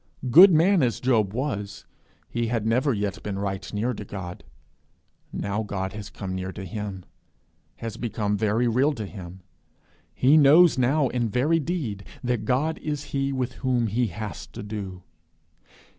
Good man as Job was, he had never yet been right near to God; now God has come near to him, has become very real to him; he knows now in very deed that God is he with whom he has to do.